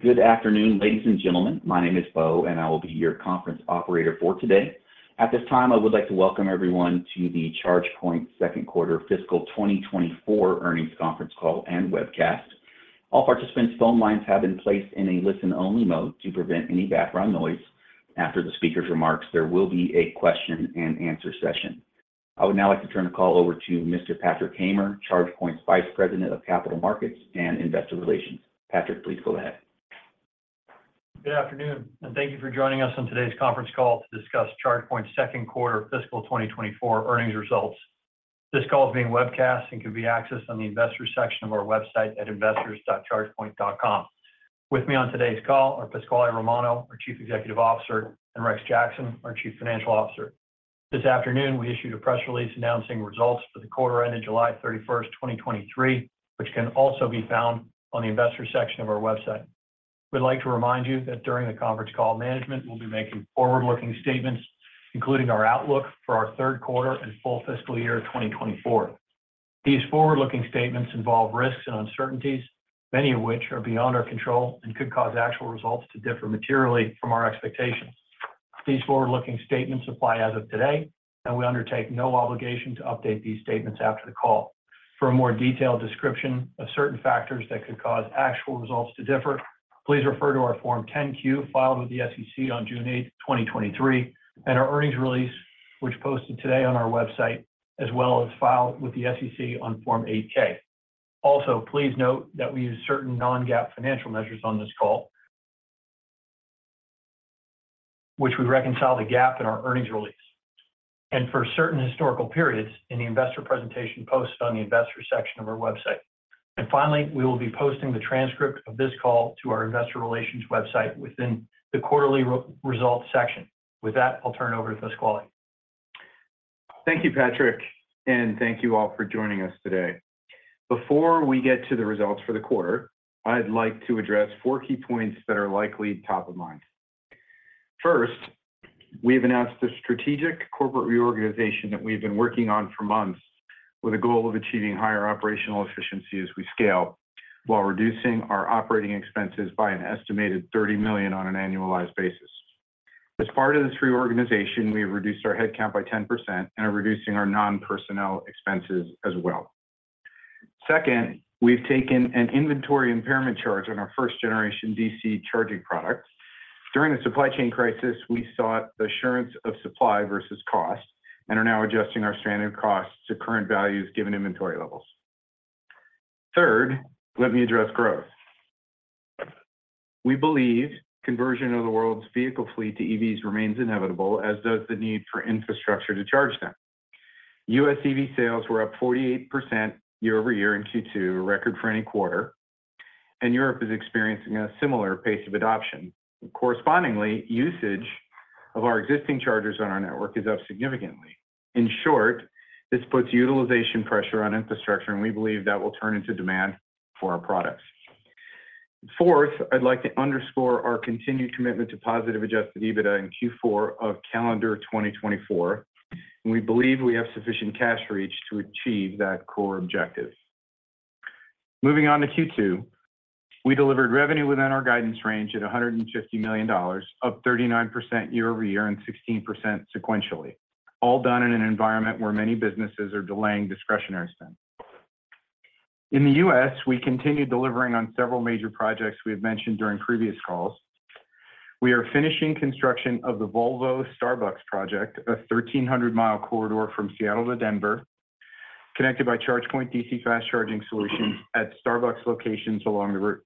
Good afternoon, ladies and gentlemen. My name is Beau, and I will be your conference operator for today. At this time, I would like to welcome everyone to the ChargePoint Second Quarter Fiscal 2024 Earnings Conference Call and Webcast. All participants' phone lines have been placed in a listen-only mode to prevent any background noise. After the speaker's remarks, there will be a question-and-answer session. I would now like to turn the call over to Mr. Patrick Hamer, ChargePoint's Vice President of Capital Markets and Investor Relations. Patrick, please go ahead. Good afternoon and thank you for joining us on today's conference call to discuss ChargePoint's second quarter fiscal 2024 earnings results. This call is being webcast and can be accessed on the investors section of our website at investors.chargepoint.com. With me on today's call are Pasquale Romano, our Chief Executive Officer, and Rex Jackson, our Chief Financial Officer. This afternoon, we issued a press release announcing results for the quarter ended July 31, 2023, which can also be found on the investor section of our website. We'd like to remind you that during the conference call, management will be making forward-looking statements, including our outlook for our third quarter and full fiscal year 2024. These forward-looking statements involve risks and uncertainties, many of which are beyond our control and could cause actual results to differ materially from our expectations. These forward-looking statements apply as of today, and we undertake no obligation to update these statements after the call. For a more detailed description of certain factors that could cause actual results to differ, please refer to our Form 10-Q, filed with the SEC on June eighth, 2023, and our earnings release, which posted today on our website, as well as filed with the SEC on Form 8-K. Also, please note that we use certain non-GAAP financial measures on this call, which we reconcile to GAAP in our earnings release, and for certain historical periods in the investor presentation posted on the investor section of our website. Finally, we will be posting the transcript of this call to our investor relations website within the quarterly results section. With that, I'll turn over to Pasquale. Thank you, Patrick, and thank you all for joining us today. Before we get to the results for the quarter, I'd like to address four key points that are likely top of mind. First, we have announced a strategic corporate reorganization that we've been working on for months with a goal of achieving higher operational efficiency as we scale, while reducing our operating expenses by an estimated $30 million on an annualized basis. As part of this reorganization, we have reduced our headcount by 10% and are reducing our non-personnel expenses as well. Second, we've taken an inventory impairment charge on our first-generation DC charging products. During the supply chain crisis, we sought assurance of supply versus cost and are now adjusting our standard costs to current values given inventory levels. Third, let me address growth. We believe conversion of the world's vehicle fleet to EVs remains inevitable, as does the need for infrastructure to charge them. U.S. EV sales were up 48% year-over-year in Q2, a record for any quarter, and Europe is experiencing a similar pace of adoption. Correspondingly, usage of our existing chargers on our network is up significantly. In short, this puts utilization pressure on infrastructure, and we believe that will turn into demand for our products. Fourth, I'd like to underscore our continued commitment to positive adjusted EBITDA in Q4 of calendar 2024, and we believe we have sufficient cash reach to achieve that core objective. Moving on to Q2, we delivered revenue within our guidance range at $150 million, up 39% year-over-year and 16% sequentially, all done in an environment where many businesses are delaying discretionary spend. In the U.S., we continued delivering on several major projects we have mentioned during previous calls. We are finishing construction of the Volvo-Starbucks project, a 1,300-mile corridor from Seattle to Denver, connected by ChargePoint DC fast charging solutions at Starbucks locations along the route.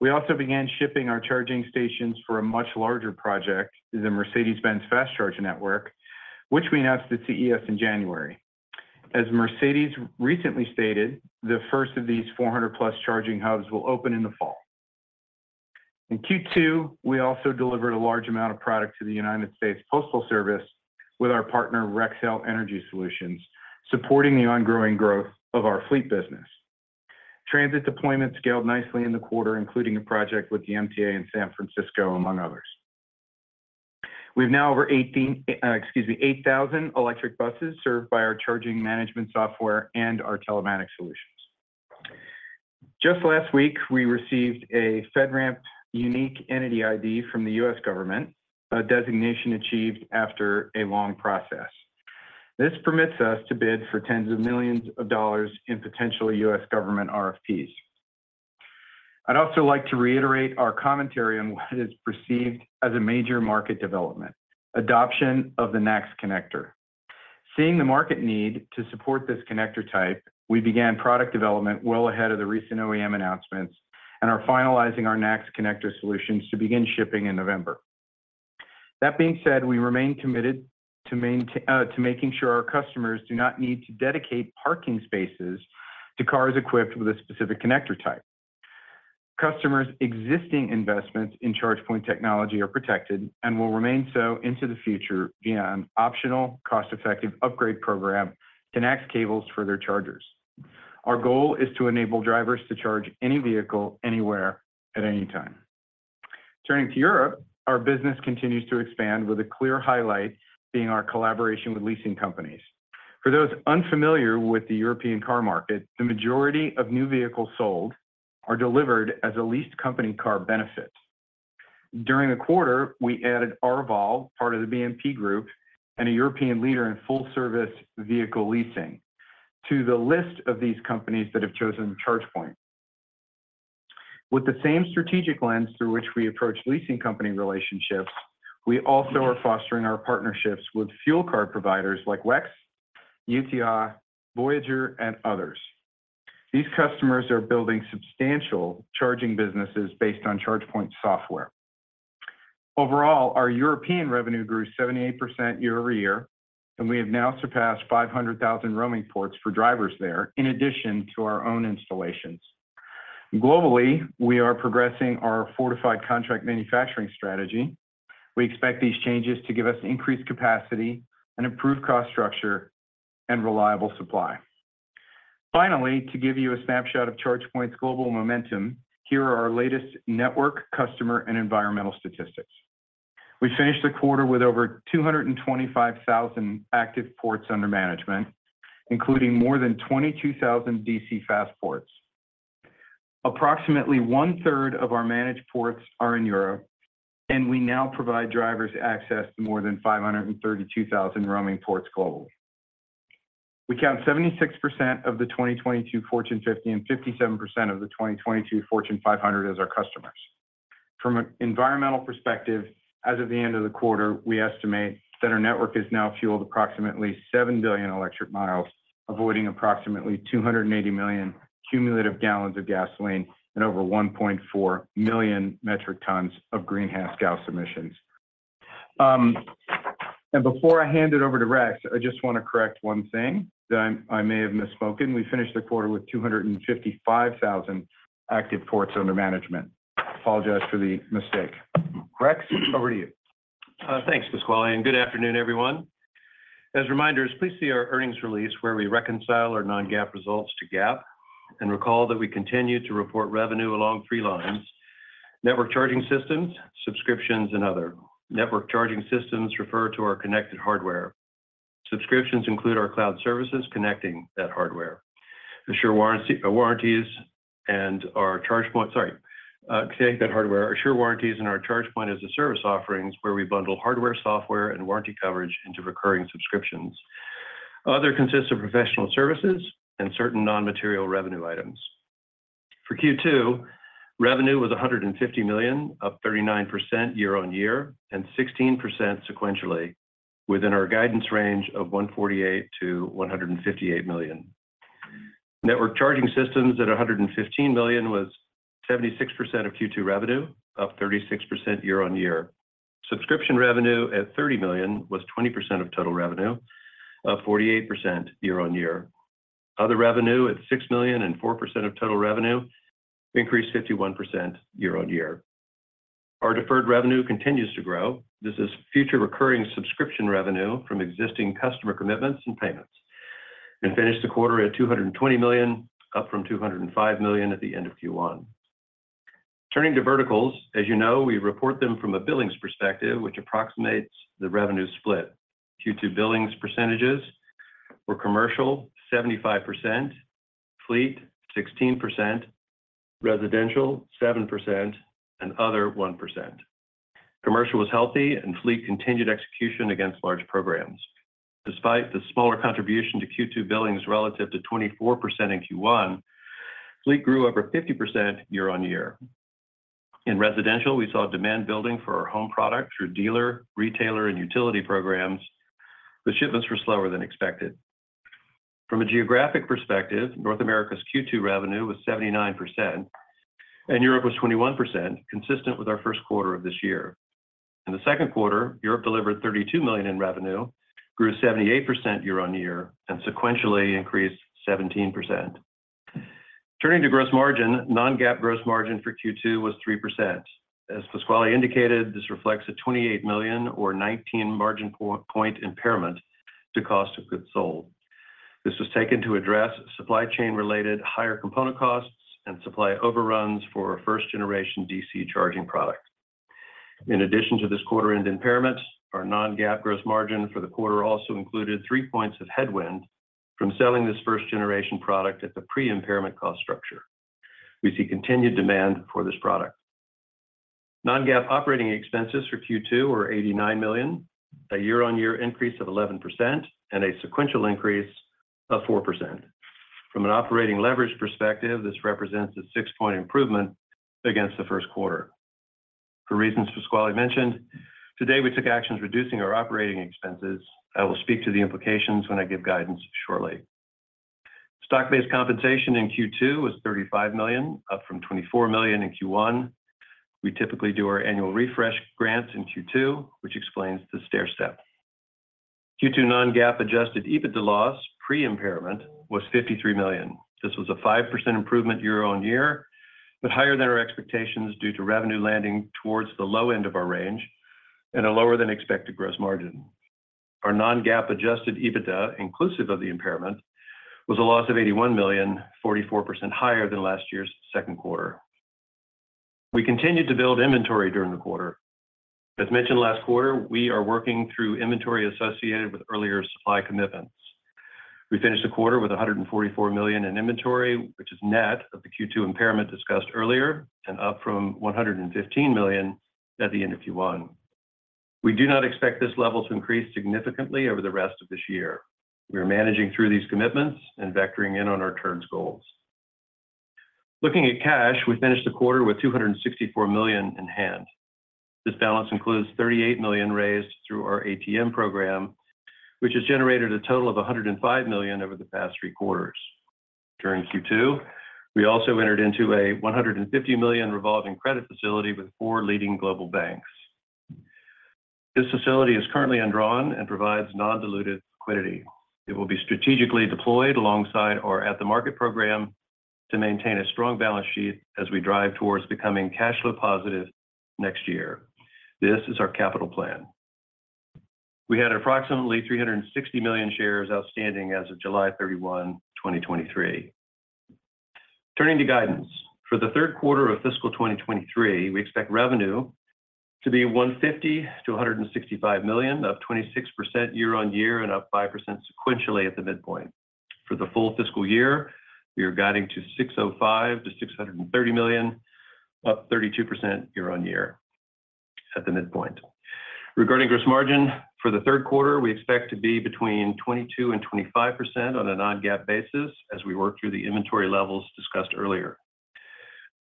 We also began shipping our charging stations for a much larger project, the Mercedes-Benz Fast Charge Network, which we announced at CES in January. As Mercedes recently stated, the first of these 400+ charging hubs will open in the fall. In Q2, we also delivered a large amount of product to the United States Postal Service with our partner, Rexel Energy Solutions, supporting the ongoing growth of our fleet business. Transit deployment scaled nicely in the quarter, including a project with the MTA in San Francisco, among others. We have now over eighteen, excuse me, 8,000 electric buses served by our charging management software and our telematics solutions. Just last week, we received a FedRAMP Unique Entity ID from the U.S. government, a designation achieved after a long process. This permits us to bid for tens of millions in potential US government RFPs. I'd also like to reiterate our commentary on what is perceived as a major market development, adoption of the NACS connector. Seeing the market need to support this connector type, we began product development well ahead of the recent OEM announcements and are finalizing our NACS connector solutions to begin shipping in November. That being said, we remain committed to making sure our customers do not need to dedicate parking spaces to cars equipped with a specific connector type. Customers' existing investments in ChargePoint technology are protected and will remain so into the future via an optional cost-effective upgrade program to NACS cables for their chargers. Our goal is to enable drivers to charge any vehicle, anywhere, at any time. Turning to Europe, our business continues to expand with a clear highlight being our collaboration with leasing companies. For those unfamiliar with the European car market, the majority of new vehicles sold are delivered as a leased company car benefit. During the quarter, we added Arval, part of the BNP Group, and a European leader in full-service vehicle leasing, to the list of these companies that have chosen ChargePoint. With the same strategic lens through which we approach leasing company relationships, we also are fostering our partnerships with fuel card providers like WEX, UTA, Voyager, and others. These customers are building substantial charging businesses based on ChargePoint software. Overall, our European revenue grew 78% year-over-year, and we have now surpassed 500,000 roaming ports for drivers there, in addition to our own installations. Globally, we are progressing our fortified contract manufacturing strategy. We expect these changes to give us increased capacity and improved cost structure and reliable supply. Finally, to give you a snapshot of ChargePoint's global momentum, here are our latest network, customer, and environmental statistics. We finished the quarter with over 225,000 active ports under management, including more than 22,000 DC fast ports. Approximately one-third of our managed ports are in Europe, and we now provide drivers access to more than 532,000 roaming ports globally. We count 76% of the 2022 Fortune 50 and 57% of the 2022 Fortune 500 as our customers. From an environmental perspective, as of the end of the quarter, we estimate that our network has now fueled approximately 7 billion electric miles, avoiding approximately 280 million cumulative gallons of gasoline and over 1.4 million metric tons of greenhouse gas emissions. And before I hand it over to Rex, I just want to correct one thing that I may have misspoken. We finished the quarter with 255,000 active ports under management. Apologize for the mistake. Rex, over to you. Thanks, Pasquale, and good afternoon, everyone. As reminders, please see our earnings release, where we reconcile our non-GAAP results to GAAP, and recall that we continue to report revenue along three lines: Networked Charging Systems, subscriptions, and other. Networked Charging Systems refer to our connected hardware. Subscriptions include our cloud services connecting that hardware, Assure warranties, and our ChargePoint as a Service offerings, where we bundle hardware, software, and warranty coverage into recurring subscriptions. Other consists of professional services and certain non-material revenue items. For Q2, revenue was $150 million, up 39% year-on-year and 16% sequentially, within our guidance range of $148 million-$158 million. Networked Charging Systems at $115 million was 76% of Q2 revenue, up 36% year-on-year. Subscription revenue at $30 million was 20% of total revenue, up 48% year-on-year. Other revenue at $6 million and 4% of total revenue increased 51% year-on-year. Our deferred revenue continues to grow. This is future recurring subscription revenue from existing customer commitments and payments, and finished the quarter at $220 million, up from $205 million at the end of Q1. Turning to verticals, as you know, we report them from a billing's perspective, which approximates the revenue split. Q2 billings percentages were commercial, 75%; fleet, 16%; residential, 7%; and other, 1%. Commercial was healthy and fleet continued execution against large programs. Despite the smaller contribution to Q2 billings relative to 24% in Q1, fleet grew over 50% year-on-year. In residential, we saw demand building for our home product through dealer, retailer, and utility programs, but shipments were slower than expected. From a geographic perspective, North America's Q2 revenue was 79, and Europe was 21%, consistent with our first quarter of this year. In the second quarter, Europe delivered $32 million in revenue, grew 78% year-over-year, and sequentially increased 17%. Turning to gross margin, non-GAAP gross margin for Q2 was 3%. As Pasquale indicated, this reflects a $28 million or 19 percentage point impairment to cost of goods sold. This was taken to address supply chain-related higher component costs and supply overruns for our first-generation DC charging products. In addition to this quarter-end impairment, our non-GAAP gross margin for the quarter also included three points of headwind from selling this first-generation product at the pre-impairment cost structure. We see continued demand for this product. Non-GAAP operating expenses for Q2 were $89 million, a year-on-year increase of 11% and a sequential increase of 4%. From an operating leverage perspective, this represents a 6-point improvement against the first quarter. For reasons Pasquale mentioned, today, we took actions reducing our operating expenses. I will speak to the implications when I give guidance shortly. Stock-based compensation in Q2 was $35 million, up from $24 million in Q1. We typically do our annual refresh grants in Q2, which explains the stairstep. Q2 non-GAAP adjusted EBITDA loss, pre-impairment, was $53 million. This was a 5% improvement year-on-year, but higher than our expectations due to revenue landing towards the low end of our range and a lower than expected gross margin. Our non-GAAP adjusted EBITDA, inclusive of the impairment, was a loss of $81 million, 40% higher than last year's second quarter. We continued to build inventory during the quarter. As mentioned last quarter, we are working through inventory associated with earlier supply commitments. We finished the quarter with $144 million in inventory, which is net of the Q2 impairment discussed earlier, and up from $115 million at the end of Q1. We do not expect this level to increase significantly over the rest of this year. We are managing through these commitments and vectoring in on our turns goals. Looking at cash, we finished the quarter with $264 million in hand. This balance includes $38 million raised through our ATM program, which has generated a total of $105 million over the past three quarters. During Q2, we also entered into a $150 million revolving credit facility with four leading global banks. This facility is currently undrawn and provides non-dilutive liquidity. It will be strategically deployed alongside our at-the-market program to maintain a strong balance sheet as we drive towards becoming cash flow positive next year. This is our capital plan. We had approximately 360 million shares outstanding as of July 31, 2023. Turning to guidance. For the third quarter of fiscal 2023, we expect revenue to be $150 million-$165 million, up 26% year-on-year, and up 5% sequentially at the midpoint. For the full fiscal year, we are guiding to $605 million-$630 million, up 32% year-on-year at the midpoint. Regarding gross margin, for the third quarter, we expect to be between 22%-25% on a non-GAAP basis as we work through the inventory levels discussed earlier.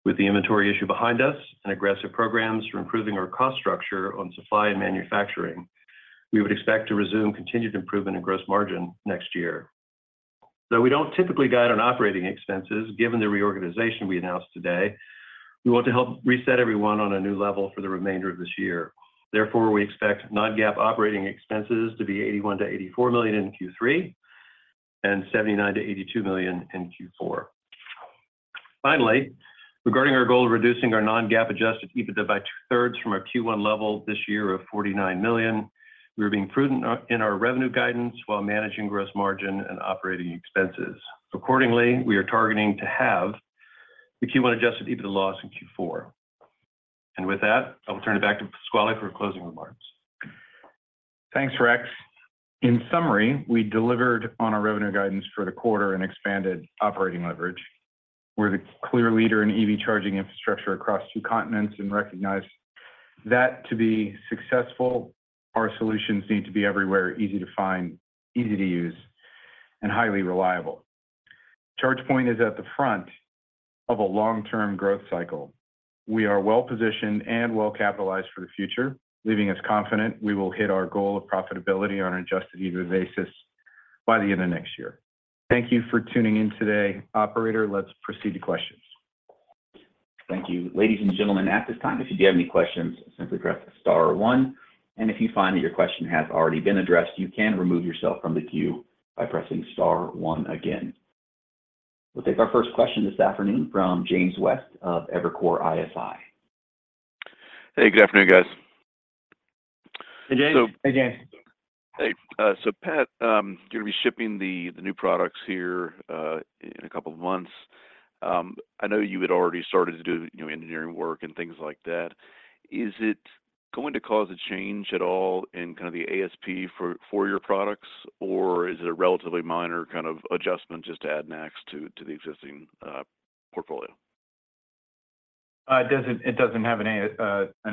With the inventory issue behind us and aggressive programs for improving our cost structure on supply and manufacturing, we would expect to resume continued improvement in gross margin next year. Though we don't typically guide on operating expenses, given the reorganization we announced today, we want to help reset everyone on a new level for the remainder of this year. Therefore, we expect non-GAAP operating expenses to be $81 million-$84 million in Q3, and $79 million-$82 million in Q4. Finally, regarding our goal of reducing our non-GAAP Adjusted EBITDA by two-thirds from our Q1 level this year of $49 million, we are being prudent in our revenue guidance while managing gross margin and operating expenses. Accordingly, we are targeting to have the Q1 adjusted EBITDA loss in Q4. With that, I will turn it back to Pasquale for closing remarks. Thanks, Rex. In summary, we delivered on our revenue guidance for the quarter and expanded operating leverage. We're the clear leader in EV charging infrastructure across two continents, and recognize that to be successful, our solutions need to be everywhere, easy to find, easy to use, and highly reliable. ChargePoint is at the front of a long-term growth cycle. We are well-positioned and well-capitalized for the future, leaving us confident we will hit our goal of profitability on an Adjusted EBITDA basis by the end of next year. Thank you for tuning in today. Operator, let's proceed to questions. Thank you. Ladies and gentlemen, at this time, if you do have any questions, simply press star one, and if you find that your question has already been addressed, you can remove yourself from the queue by pressing star one again. We'll take our first question this afternoon from James West of Evercore ISI. Hey, good afternoon, guys. Hey, James. Hey, James. Hey, so Pat, you're going to be shipping the, the new products here, in a couple of months. I know you had already started to do new engineering work and things like that. Is it going to cause a change at all in kind of the ASP for, for your products, or is it a relatively minor kind of adjustment just to add an AC to, to the existing, portfolio? It doesn't, it doesn't have an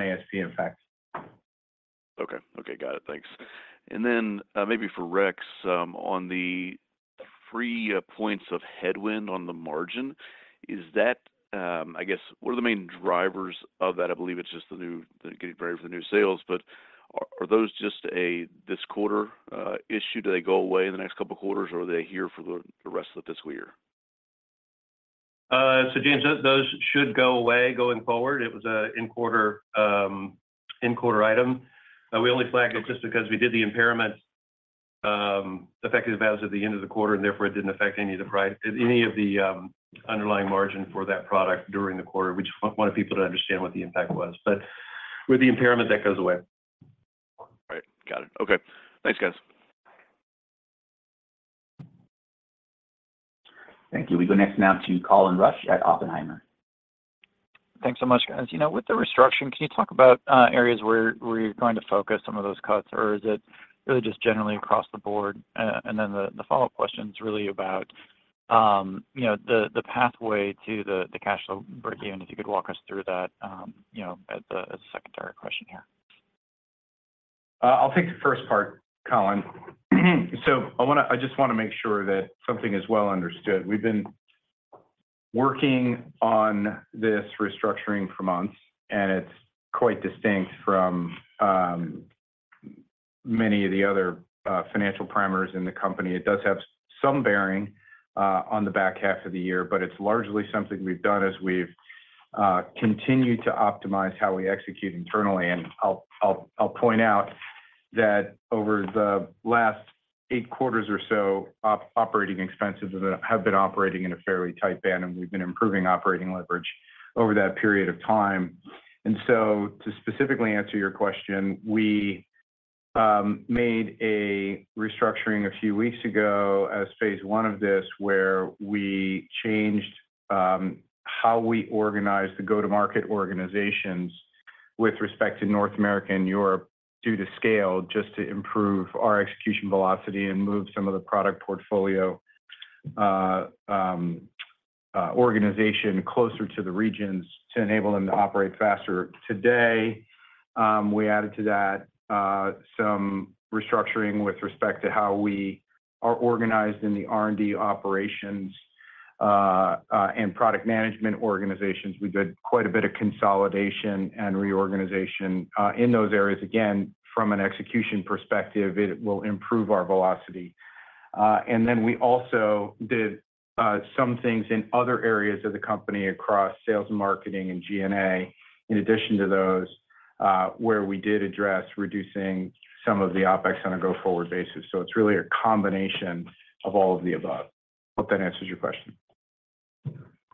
ASP impact. Okay. Okay, got it. Thanks. And then, maybe for Rex, on the three points of headwind on the margin, is that... I guess, what are the main drivers of that? I believe it's just the new, the getting ready for the new sales, but are those just a this quarter issue? Do they go away in the next couple of quarters, or are they here for the rest of the fiscal year? So James, those should go away going forward. It was an in-quarter item. We only flagged it just because we did the impairment effective as of the end of the quarter, and therefore it didn't affect any of the underlying margin for that product during the quarter. We just wanted people to understand what the impact was. But with the impairment, that goes away. Right. Got it. Okay. Thanks, guys. Thank you. We go next now to Colin Rusch at Oppenheimer. Thanks so much, guys. You know, with the restructure, can you talk about areas where you're going to focus some of those cuts, or is it really just generally across the board? And then the follow-up question is really about, you know, the pathway to the cash flow breakeven, if you could walk us through that, you know, as a secondary question here. I'll take the first part, Colin. So I wanna, I just wanna make sure that something is well understood. We've been working on this restructuring for months, and it's quite distinct from many of the other financial parameters in the company. It does have some bearing on the back half of the year, but it's largely something we've done as we've continued to optimize how we execute internally. I'll point out that over the last eight quarters or so, operating expenses have been operating in a fairly tight band, and we've been improving operating leverage over that period of time. To specifically answer your question, we made a restructuring a few weeks ago as phase one of this, where we changed how we organize the go-to-market organizations with respect to North America and Europe, due to scale, just to improve our execution velocity and move some of the product portfolio organization closer to the regions to enable them to operate faster. Today, we added to that some restructuring with respect to how we are organized in the R&D operations and product management organizations. We did quite a bit of consolidation and reorganization in those areas. Again, from an execution perspective, it will improve our velocity. And then we also did some things in other areas of the company across sales and marketing and G&A, in addition to those, where we did address reducing some of the OpEx on a go-forward basis. So it's really a combination of all of the above. Hope that answers your question.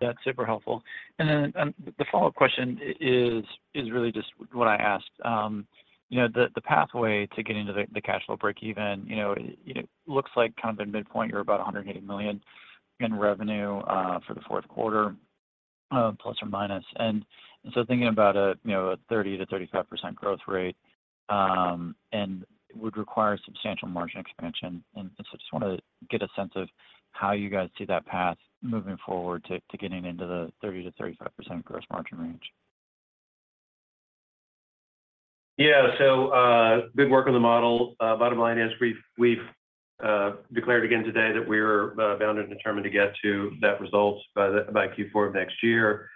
That's super helpful. And then, the follow-up question is really just what I asked. You know, the pathway to getting to the cash flow break-even, you know, it looks like kind of in midpoint, you're about $180 million in revenue for the fourth quarter, plus or minus. And so thinking about a, you know, a 30%-35% growth rate, and it would require substantial margin expansion. And I just wanna get a sense of how you guys see that path moving forward to getting into the 30%-35% gross margin range. Yeah. So, good work on the model. Bottom line is we've declared again today that we're bound and determined to get to that result by Q4 of next year.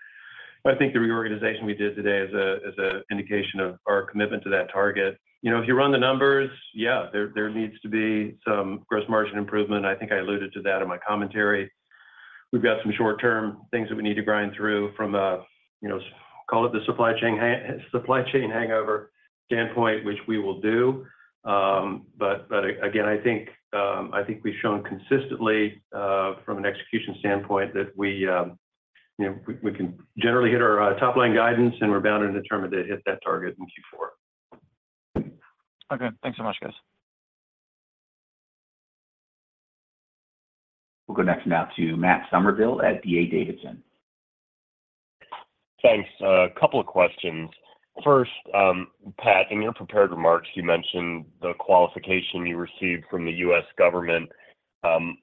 I think the reorganization we did today is an indication of our commitment to that target. You know, if you run the numbers, yeah, there needs to be some gross margin improvement. I think I alluded to that in my commentary. We've got some short-term things that we need to grind through from a, you know, call it the supply chain hangover standpoint, which we will do. But again, I think we've shown consistently from an execution standpoint that we, you know, we can generally hit our top-line guidance, and we're bound and determined to hit that target in Q4. Okay. Thanks so much, guys. We'll go next now to Matt Summerville at D.A. Davidson. Thanks. A couple of questions. First, Pat, in your prepared remarks, you mentioned the qualification you received from the U.S. government.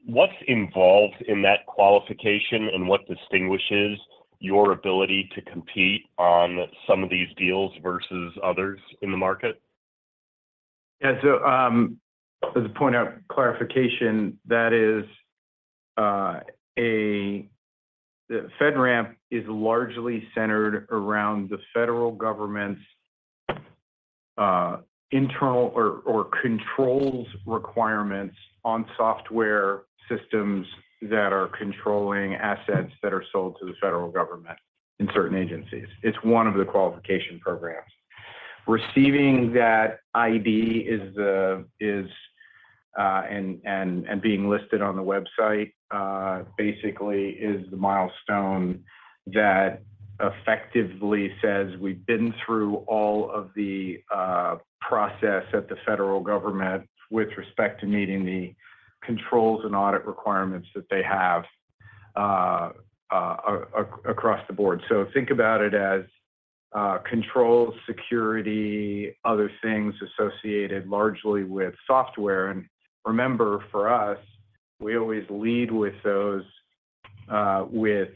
What's involved in that qualification, and what distinguishes your ability to compete on some of these deals versus others in the market? Yeah, so, as a point of clarification, that is, the FedRAMP is largely centered around the federal government's internal controls requirements on software systems that are controlling assets that are sold to the federal government in certain agencies. It's one of the qualification programs. Receiving that ID is and being listed on the website basically is the milestone that effectively says we've been through all of the process at the federal government with respect to meeting the controls and audit requirements that they have across the board. So think about it as control, security, other things associated largely with software. And remember, for us, we always lead with those, with,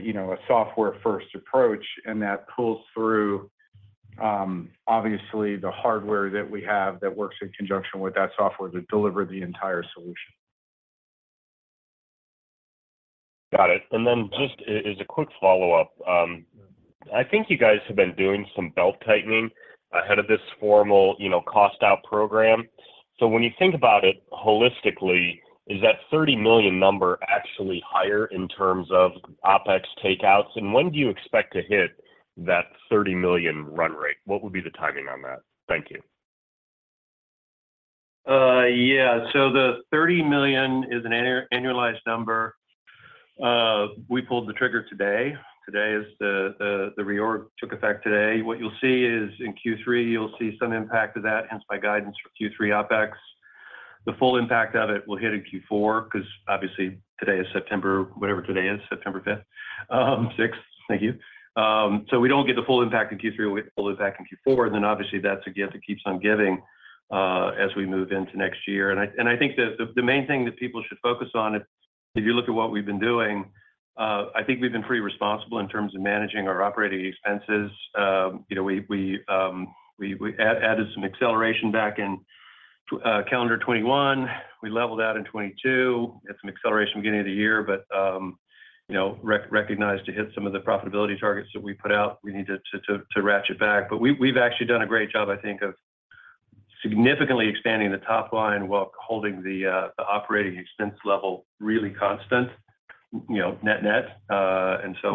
you know, a software-first approach, and that pulls through, obviously, the hardware that we have that works in conjunction with that software to deliver the entire solution. Got it. And then just a, as a quick follow-up, I think you guys have been doing some belt-tightening ahead of this formal, you know, cost-out program. So when you think about it holistically, is that $30 million number actually higher in terms of OpEx takeouts? And when do you expect to hit that $30 million run rate? What would be the timing on that? Thank you. Yeah. So the $30 million is an annualized number. We pulled the trigger today. The reorg took effect today. What you'll see is, in Q3, you'll see some impact of that, hence my guidance for Q3 OpEx. The full impact of it will hit in Q4, 'cause obviously, today is September, whatever today is, September fifth, sixth. Thank you. So we don't get the full impact in Q3, we'll get the full impact in Q4, and then obviously, that's a gift that keeps on giving, as we move into next year. And I think the main thing that people should focus on is, if you look at what we've been doing, I think we've been pretty responsible in terms of managing our operating expenses. You know, we added some acceleration back in calendar 2021. We leveled out in 2022. Had some acceleration beginning of the year, but you know, recognized to hit some of the profitability targets that we put out, we need to ratchet back. But we've actually done a great job, I think, of significantly expanding the top line while holding the operating expense level really constant, you know, net-net. And so,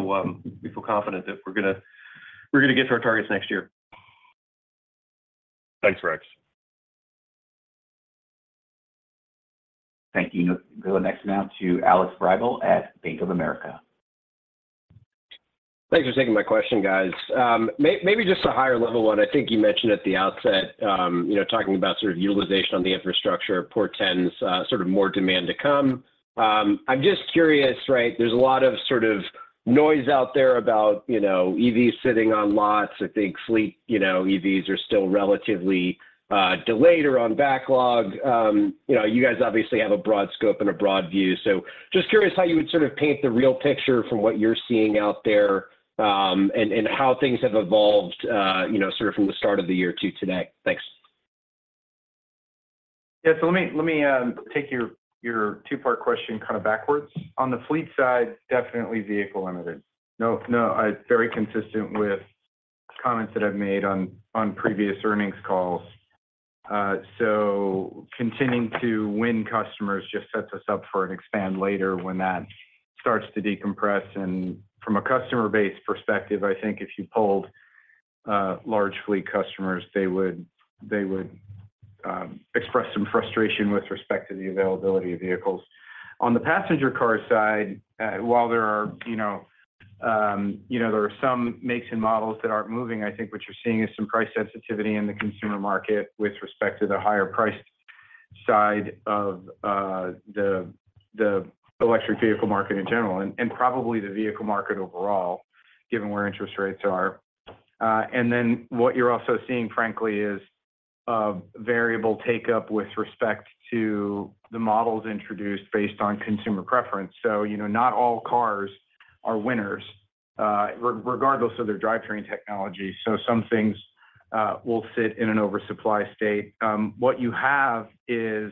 we feel confident that we're gonna get to our targets next year. Thanks, Rex. Thank you. We'll now turn to Alex Vrabel at Bank of America. Thanks for taking my question, guys. Maybe just a higher level one. I think you mentioned at the outset, you know, talking about sort of utilization on the infrastructure, port tens, sort of more demand to come. I'm just curious, right? There's a lot of sort of noise out there about, you know, EVs sitting on lots. I think fleet, you know, EVs are still relatively delayed or on backlog. You know, you guys obviously have a broad scope and a broad view. So just curious how you would sort of paint the real picture from what you're seeing out there, and how things have evolved, you know, sort of from the start of the year to today. Thanks. Yeah. So let me take your two-part question kind of backwards. On the fleet side, definitely vehicle limited. No, no, it's very consistent with comments that I've made on previous earnings calls. So continuing to win customers just sets us up for an expand later when that starts to decompress. And from a customer base perspective, I think if you polled large fleet customers, they would express some frustration with respect to the availability of vehicles. On the passenger car side, while there are, you know, you know, there are some makes and models that aren't moving, I think what you're seeing is some price sensitivity in the consumer market with respect to the higher price side of the electric vehicle market in general, and probably the vehicle market overall, given where interest rates are. And then what you're also seeing, frankly, is a variable take-up with respect to the models introduced based on consumer preference. So, you know, not all cars are winners, regardless of their drivetrain technology. So some things will sit in an oversupply state. What you have is,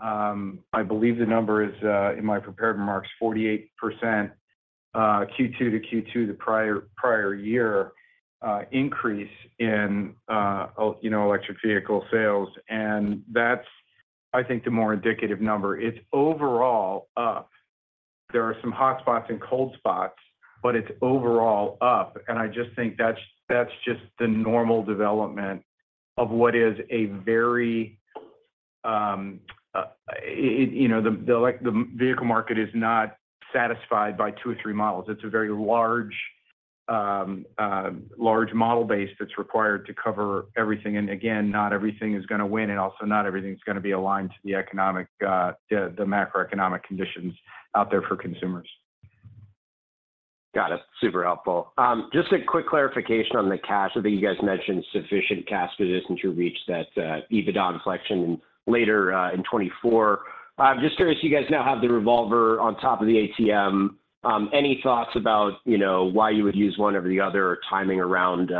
I believe the number is, in my prepared remarks, 48%, Q2 to Q2, the prior year, increase in, you know, electric vehicle sales. That's, I think, the more indicative number. It's overall up. There are some hotspots and cold spots, but it's overall up, and I just think that's, that's just the normal development of what is a very, you know, like the vehicle market is not satisfied by two or three models. It's a very large model base that's required to cover everything. And again, not everything is going to win, and also not everything's going to be aligned to the economic, the macroeconomic conditions out there for consumers. Got it. Super helpful. Just a quick clarification on the cash. I think you guys mentioned sufficient cash positions to reach that, EBITDA inflection later, in 2024. I'm just curious, you guys now have the revolver on top of the ATM. Any thoughts about, you know, why you would use one over the other, or timing around,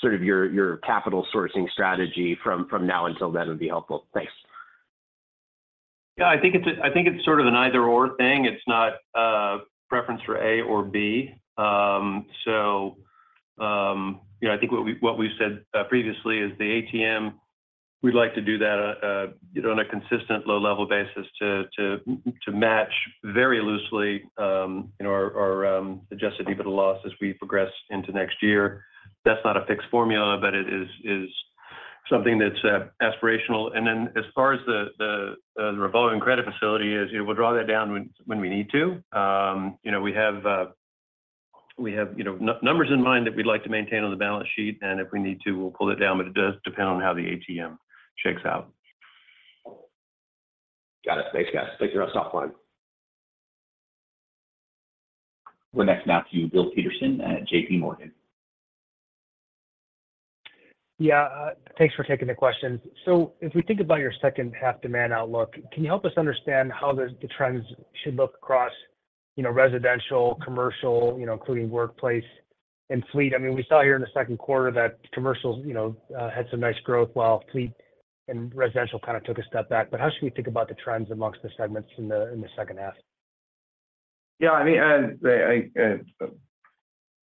sort of your, your capital sourcing strategy from now until then would be helpful. Thanks. Yeah, I think it's sort of an either/or thing. It's not preference for A or B. So, you know, I think what we've said previously is the ATM, we'd like to do that, you know, on a consistent low-level basis to match very loosely, you know, our adjusted EBITDA loss as we progress into next year. That's not a fixed formula, but it is something that's aspirational. And then as far as the revolving credit facility, you know, we'll draw that down when we need to. You know, we have numbers in mind that we'd like to maintain on the balance sheet, and if we need to, we'll pull it down, but it does depend on how the ATM shakes out. Got it. Thanks, guys. Thank you. That's offline. We're next now to Bill Peterson at J.P. Morgan. Yeah, thanks for taking the questions. So if we think about your second half demand outlook, can you help us understand how the trends should look across, you know, residential, commercial, you know, including workplace and fleet? I mean, we saw here in the second quarter that commercial, you know, had some nice growth, while fleet and residential kind of took a step back. But how should we think about the trends amongst the segments in the second half? Yeah, I mean, I,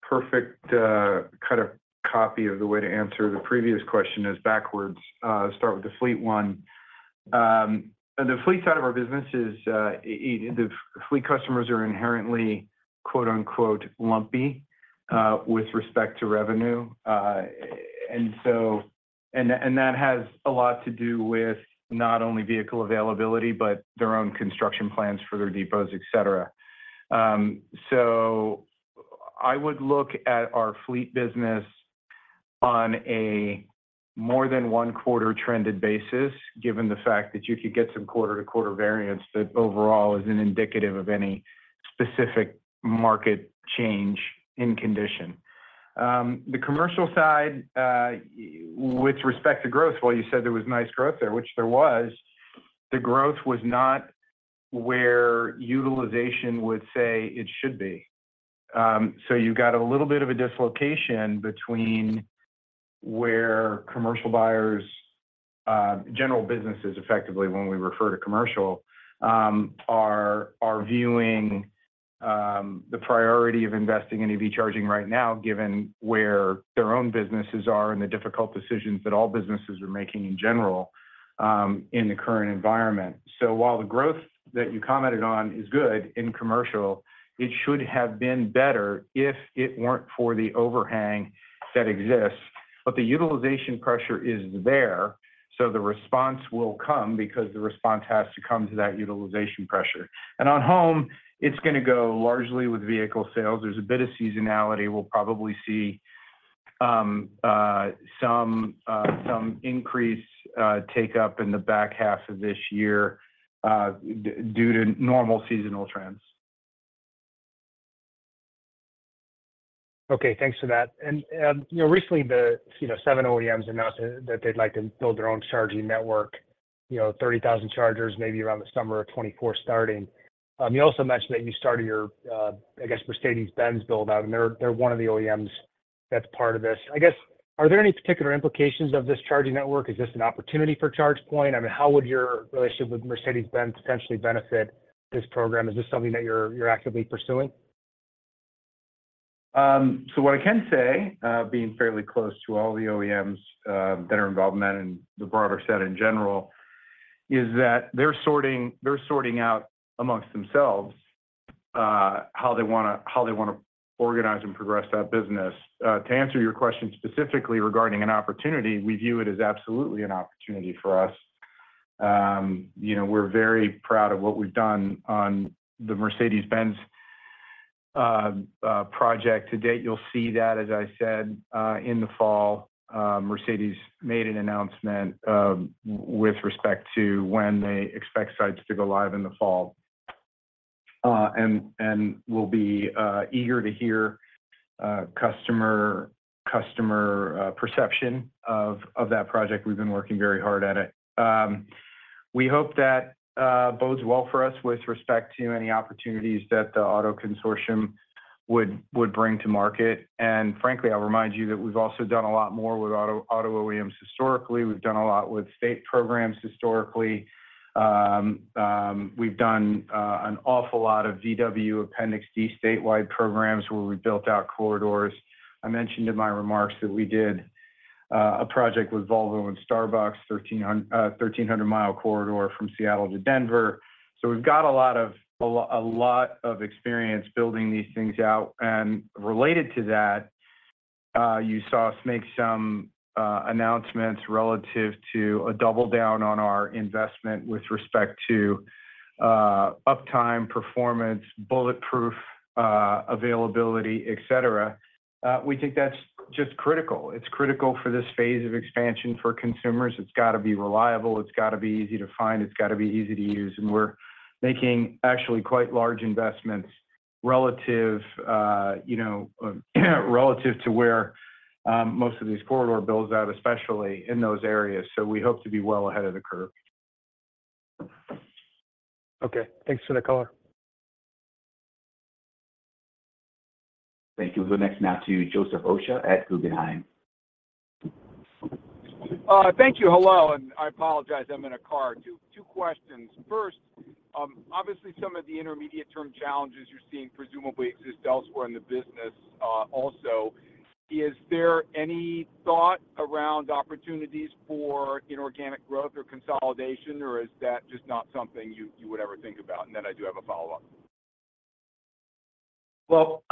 perfect kind of copy of the way to answer the previous question is backwards. Start with the fleet one. The fleet side of our business is, the fleet customers are inherently, quote-unquote, "lumpy," with respect to revenue. And so—and that, and that has a lot to do with not only vehicle availability, but their own construction plans for their depots, et cetera. So I would look at our fleet business on a more than one quarter trended basis, given the fact that you could get some quarter-to-quarter variance that overall isn't indicative of any specific market change in condition. The commercial side, with respect to growth, while you said there was nice growth there, which there was, the growth was not where utilization would say it should be. So you've got a little bit of a dislocation between where commercial buyers, general businesses, effectively, when we refer to commercial, are viewing the priority of investing in EV charging right now, given where their own businesses are and the difficult decisions that all businesses are making in general, in the current environment. So while the growth that you commented on is good in commercial, it should have been better if it weren't for the overhang that exists. But the utilization pressure is there, so the response will come because the response has to come to that utilization pressure. And on home, it's gonna go largely with vehicle sales. There's a bit of seasonality. We'll probably see some increase take up in the back half of this year, due to normal seasonal trends. Okay, thanks for that. And you know, recently, you know, seven OEMs announced that they'd like to build their own charging network, you know, 30,000 chargers, maybe around the summer of 2024 starting. You also mentioned that you started your, I guess Mercedes-Benz build-out, and they're one of the OEMs that's part of this. I guess, are there any particular implications of this charging network? Is this an opportunity for ChargePoint? I mean, how would your relationship with Mercedes-Benz potentially benefit this program? Is this something that you're actively pursuing? So what I can say, being fairly close to all the OEMs that are involved in that and the broader set in general, is that they're sorting out amongst themselves how they wanna organize and progress that business. To answer your question specifically regarding an opportunity, we view it as absolutely an opportunity for us. You know, we're very proud of what we've done on the Mercedes-Benz project. To date, you'll see that, as I said, in the fall, Mercedes made an announcement with respect to when they expect sites to go live in the fall. And we'll be eager to hear customer perception of that project. We've been working very hard at it. We hope that bodes well for us with respect to any opportunities that the auto consortium would bring to market. And frankly, I'll remind you that we've also done a lot more with auto, auto OEMs. Historically, we've done a lot with state programs. Historically, we've done an awful lot of VW Appendix D statewide programs where we built out corridors. I mentioned in my remarks that we did a project with Volvo and Starbucks, 1,300-mile corridor from Seattle to Denver. So we've got a lot of experience building these things out. And related to that, you saw us make some announcements relative to a double down on our investment with respect to uptime, performance, bulletproof availability, et cetera. We think that's just critical. It's critical for this phase of expansion for consumers. It's got to be reliable, it's got to be easy to find, it's got to be easy to use, and we're making actually quite large investments relative, you know, relative to where most of these corridor builds out, especially in those areas. So we hope to be well ahead of the curve. Okay, thanks for the color. Thank you. We'll go next now to Joseph Osha at Guggenheim. Thank you. Hello, and I apologize, I'm in a car. Two questions. First, obviously some of the intermediate term challenges you're seeing presumably exist elsewhere in the business, also. Is there any thought around opportunities for inorganic growth or consolidation, or is that just not something you would ever think about? And then I do have a follow-up. Well,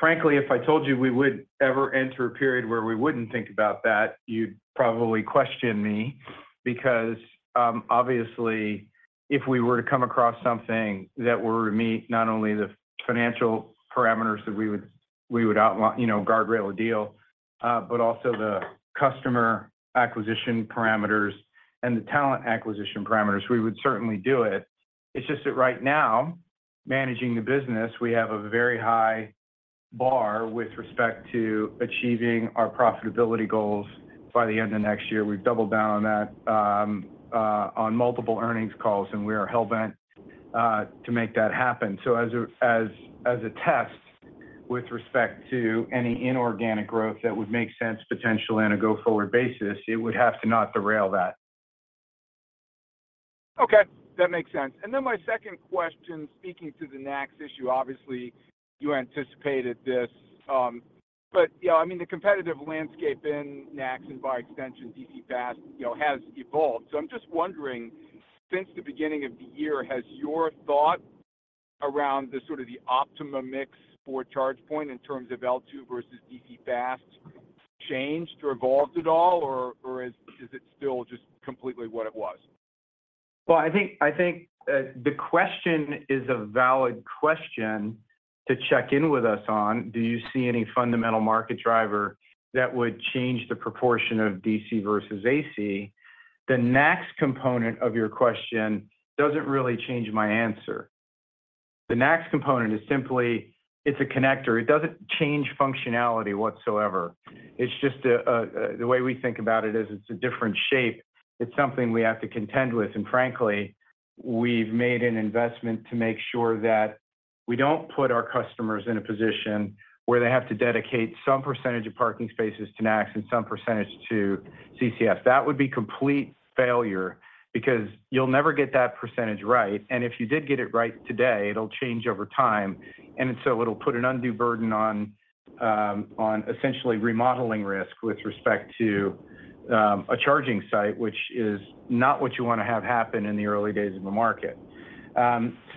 frankly, if I told you we would ever enter a period where we wouldn't think about that, you'd probably question me. Because, obviously, if we were to come across something that would meet not only the financial parameters that we would you know, guardrail a deal, but also the customer acquisition parameters and the talent acquisition parameters, we would certainly do it. It's just that right now, managing the business, we have a very high bar with respect to achieving our profitability goals by the end of next year. We've doubled down on that on multiple earnings calls, and we are hell-bent to make that happen. So as a test, with respect to any inorganic growth that would make sense, potentially on a go-forward basis, it would have to not derail that. Okay, that makes sense. Then my second question, speaking to the NACS issue, obviously, you anticipated this. But, yeah, I mean, the competitive landscape in NACS, and by extension, DC fast, you know, has evolved. So I'm just wondering, since the beginning of the year, has your thought around the sort of the optimum mix for ChargePoint in terms of L2 versus DC fast changed or evolved at all, or is it still just completely what it was? Well, I think the question is a valid question to check in with us on. Do you see any fundamental market driver that would change the proportion of DC versus AC? The NACS component of your question doesn't really change my answer. The NACS component is simply... it's a connector. It doesn't change functionality whatsoever. It's just a. The way we think about it is, it's a different shape. It's something we have to contend with, and frankly, we've made an investment to make sure that we don't put our customers in a position where they have to dedicate some percentage of parking spaces to NACS and some percentage to CCS. That would be complete failure because you'll never get that percentage right, and if you did get it right today, it'll change over time. And so it'll put an undue burden on-... On essentially remodeling risk with respect to a charging site, which is not what you want to have happen in the early days of the market.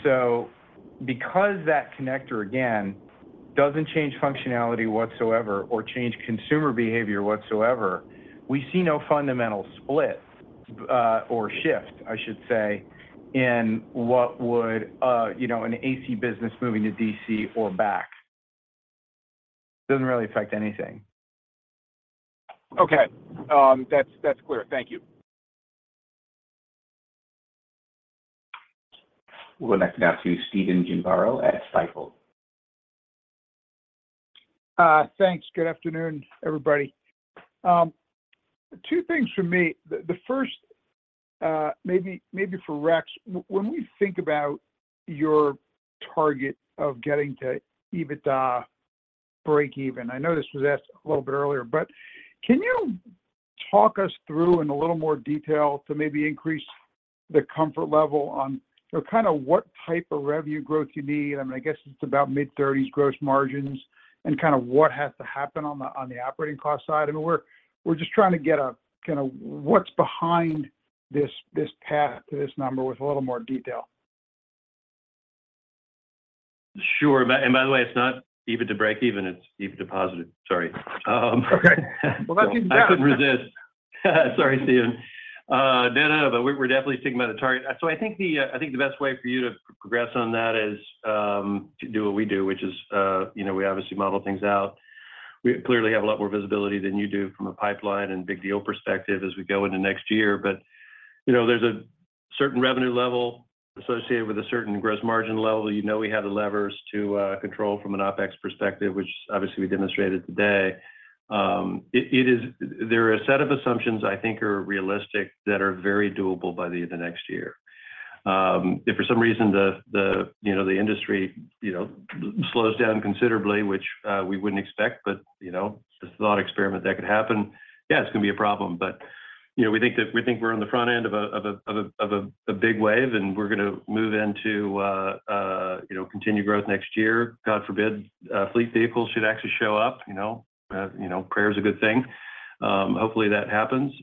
So because that connector, again, doesn't change functionality whatsoever or change consumer behavior whatsoever, we see no fundamental split or shift, I should say, in what would, you know, an AC business moving to DC or back. Doesn't really affect anything. Okay. That's, that's clear. Thank you. We'll go next, now to Stephen Gengaro at Stifel. Thanks. Good afternoon, everybody. Two things for me. The first, maybe for Rex, when we think about your target of getting to EBITDA breakeven, I know this was asked a little bit earlier, but can you talk us through in a little more detail to maybe increase the comfort level on, you know, kind of what type of revenue growth you need? I mean, I guess it's about mid-thirties gross margins, and kind of what has to happen on the operating cost side. I mean, we're just trying to get a kinda what's behind this path to this number with a little more detail. Sure. By the way, it's not EBITDA breakeven, it's EBITDA positive. Sorry. Okay. Well, that's even better. I couldn't resist. Sorry, Stephen. No, no, but we're definitely speaking about the target. So I think the best way for you to progress on that is to do what we do, which is, you know, we obviously model things out. We clearly have a lot more visibility than you do from a pipeline and big deal perspective as we go into next year. But, you know, there's a certain revenue level associated with a certain gross margin level. You know, we have the levers to control from an OpEx perspective, which obviously we demonstrated today. It is. There are a set of assumptions I think are realistic that are very doable by the next year. If for some reason, the you know, the industry, you know, slows down considerably, which we wouldn't expect, but you know, just a thought experiment that could happen, yeah, it's gonna be a problem. But you know, we think that - we think we're on the front end of a big wave, and we're gonna move into you know, continued growth next year. God forbid, fleet vehicles should actually show up, you know. You know, prayer is a good thing. Hopefully, that happens.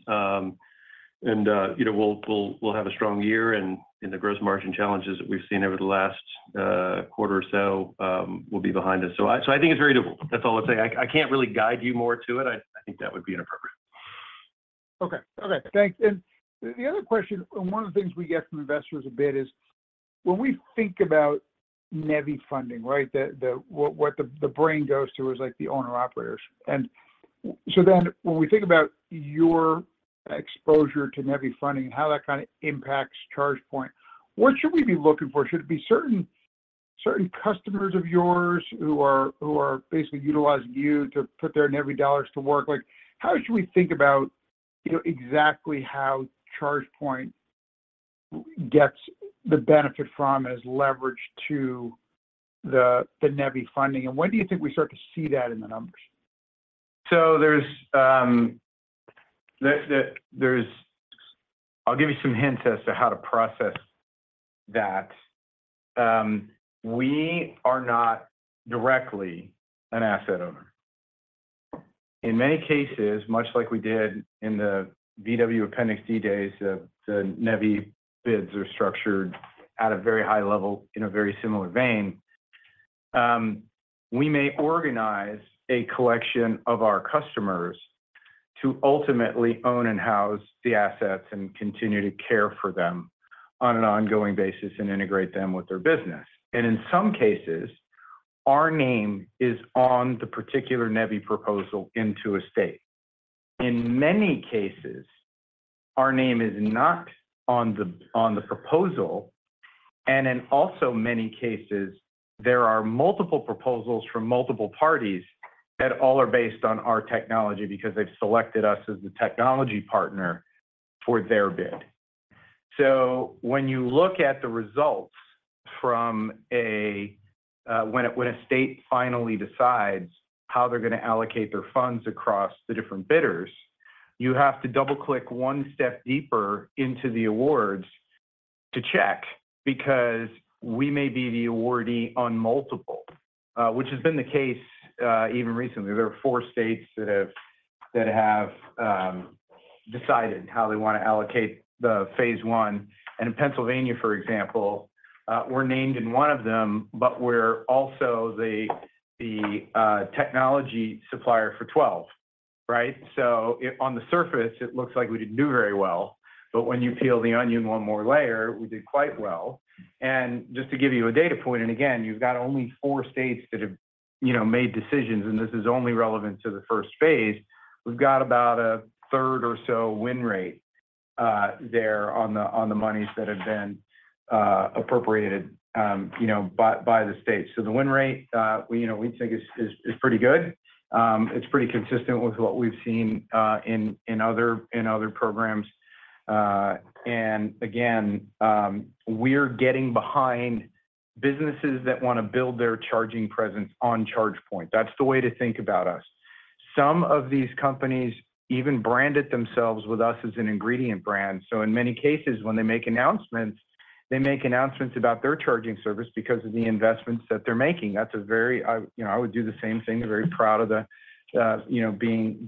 And you know, we'll have a strong year, and the gross margin challenges that we've seen over the last quarter or so will be behind us. So I... So I think it's very doable. That's all I'll say. I can't really guide you more to it. I think that would be inappropriate. Okay. Okay, thanks. And the other question, and one of the things we get from investors a bit is when we think about NEVI funding, right? What the brain goes to is like the owner-operators. And so then when we think about your exposure to NEVI funding and how that kind of impacts ChargePoint, what should we be looking for? Should it be certain customers of yours who are basically utilizing you to put their NEVI dollars to work? Like, how should we think about, you know, exactly how ChargePoint gets the benefit from as leverage to the NEVI funding, and when do you think we start to see that in the numbers? So there's. I'll give you some hints as to how to process that. We are not directly an asset owner. In many cases, much like we did in the VW Appendix D days, the NEVI bids are structured at a very high level in a very similar vein. We may organize a collection of our customers to ultimately own and house the assets and continue to care for them on an ongoing basis and integrate them with their business. And in some cases, our name is on the particular NEVI proposal into a state. In many cases, our name is not on the proposal, and in also many cases, there are multiple proposals from multiple parties that all are based on our technology because they've selected us as the technology partner for their bid. So when you look at the results from when a state finally decides how they're gonna allocate their funds across the different bidders, you have to double-click one step deeper into the awards to check, because we may be the awardee on multiple, which has been the case, even recently. There are four states that have decided how they wanna allocate the phase one. And in Pennsylvania, for example, we're named in one of them, but we're also the technology supplier for 12, right? So on the surface, it looks like we didn't do very well, but when you peel the onion one more layer, we did quite well. And just to give you a data point, and again, you've got only four states that have, you know, made decisions, and this is only relevant to the first phase. We've got about a third or so win rate there on the monies that have been appropriated, you know, by the state. So the win rate, you know, we think is pretty good. It's pretty consistent with what we've seen in other programs. And again, we're getting behind businesses that wanna build their charging presence on ChargePoint. That's the way to think about us.... some of these companies even branded themselves with us as an ingredient brand. So in many cases, when they make announcements, they make announcements about their charging service because of the investments that they're making. That's a very, you know, I would do the same thing. They're very proud of the, you know, being,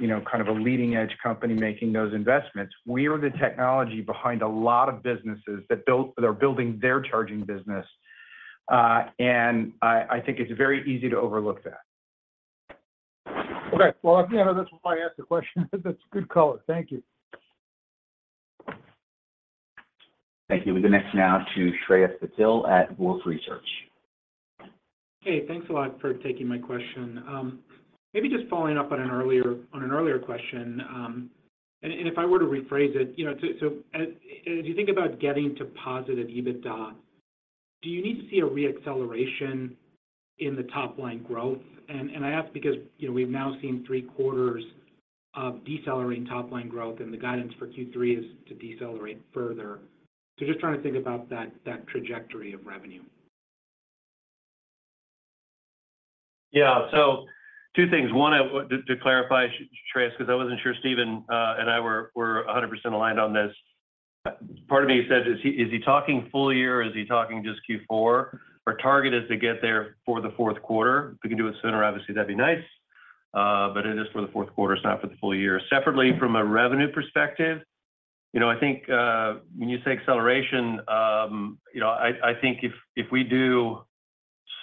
you know, kind of a leading-edge company making those investments. We are the technology behind a lot of businesses that they're building their charging business, and I think it's very easy to overlook that. Okay. Well, you know, that's why I asked the question. That's a good call. Thank you. Thank you. We go next now to Shreyas Patel at Wolfe Research. Hey, thanks a lot for taking my question. Maybe just following up on an earlier question, and if I were to rephrase it, you know, so if you think about getting to positive EBITDA, do you need to see a reacceleration in the top-line growth? And I ask because, you know, we've now seen three quarters of decelerating top-line growth, and the guidance for Q3 is to decelerate further. So just trying to think about that trajectory of revenue. Yeah. So two things. One, to clarify, Shreyas, because I wasn't sure Steven and I were 100% aligned on this. Part of me said, is he talking full year, or is he talking just Q4? Our target is to get there for the fourth quarter. If we can do it sooner, obviously, that'd be nice, but it is for the fourth quarter, it's not for the full year. Separately, from a revenue perspective, you know, I think when you say acceleration, you know, I think if we do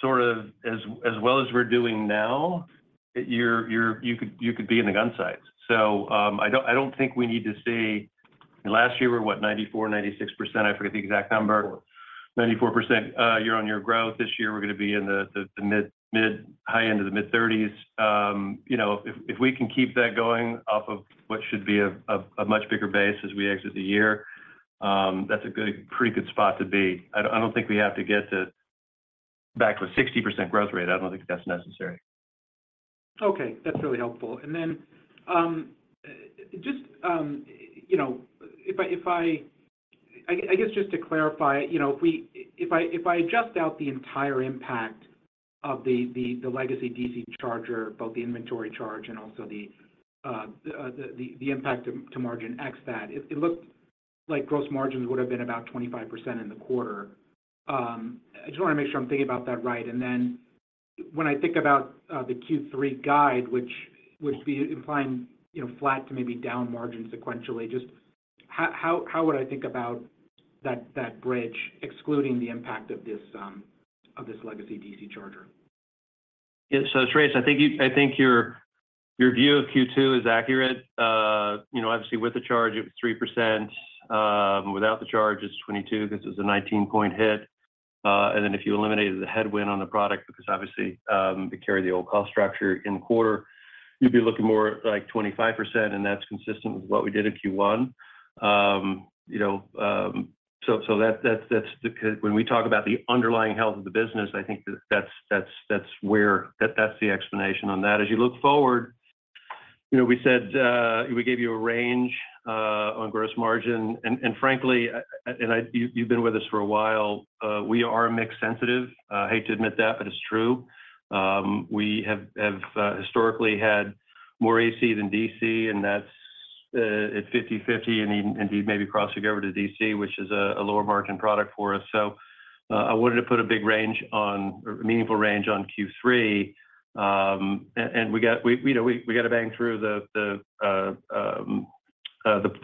sort of as well as we're doing now, you could be in the gunsights. So, I don't think we need to see... Last year, we were, what? 94, 96%, I forget the exact number. 94% year-on-year growth. This year, we're going to be in the mid- to high end of the mid-thirties. You know, if we can keep that going off of what should be a much bigger base as we exit the year, that's a pretty good spot to be. I don't think we have to get back to a 60% growth rate. I don't think that's necessary. Okay, that's really helpful. And then, just, you know, if I guess, just to clarify, you know, if we—if I adjust out the entire impact of the legacy DC charger, both the inventory charge and also the impact to margin ex that, it looks like gross margins would have been about 25% in the quarter. I just want to make sure I'm thinking about that right. And then, when I think about the Q3 guide, which we imply, you know, flat to maybe down margin sequentially, just how would I think about that bridge, excluding the impact of this legacy DC charger? Yeah. So, Shreyas, I think your view of Q2 is accurate. You know, obviously, with the charge, it was 3%, without the charge, it's 22 because it was a 19-point hit. And then if you eliminated the headwind on the product, because obviously, we carry the old cost structure in the quarter, you'd be looking more at, like, 25%, and that's consistent with what we did in Q1. You know, so that, that's the, when we talk about the underlying health of the business, I think that's where that's the explanation on that. As you look forward, you know, we said, we gave you a range on gross margin. And frankly, you've been with us for a while, we are mix sensitive. I hate to admit that, but it's true. We have historically had more AC than DC, and that's at 50/50, and even indeed, maybe crossing over to DC, which is a lower margin product for us. So, I wanted to put a big range on, a meaningful range on Q3. And we got, you know, we got to bang through the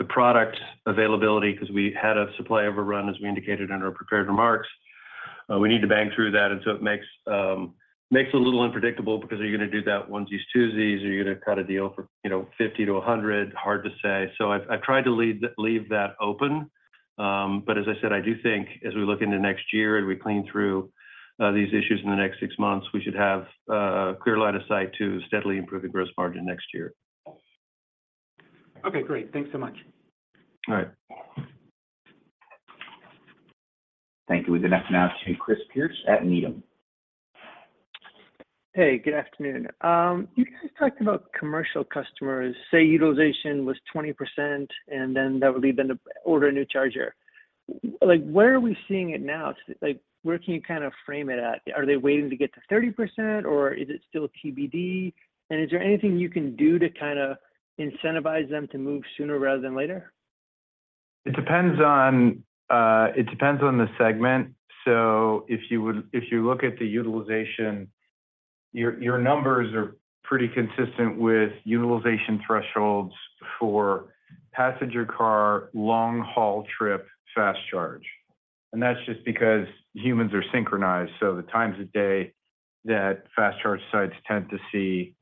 product availability because we had a supply overrun, as we indicated in our prepared remarks. We need to bang through that, and so it makes it a little unpredictable because are you going to do that onesies, twosies? Are you going to cut a deal for, you know, 50-100? Hard to say. So I've tried to leave that open. But as I said, I do think as we look into next year and we clean through these issues in the next six months, we should have a clear line of sight to steadily improve the gross margin next year. Okay, great. Thanks so much. All right. Thank you. We go next now to Chris Pierce at Needham. Hey, good afternoon. You guys talked about commercial customers, say, utilization was 20%, and then that would lead them to order a new charger. Like, where are we seeing it now? Like, where can you kind of frame it at? Are they waiting to get to 30%, or is it still TBD? And is there anything you can do to kind of incentivize them to move sooner rather than later? It depends on, it depends on the segment. So if you would if you look at the utilization, your numbers are pretty consistent with utilization thresholds for passenger car, long-haul trip, fast charge. And that's just because humans are synchronized, so the times of day that fast charge sites tend to see